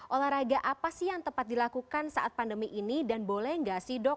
olahraga apa sih yang tepat dilakukan saat pandemi ini dan boleh nggak sih dok